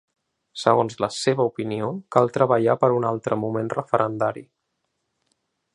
Segons la seva opinió, cal treballar per un ‘altre moment referendari’.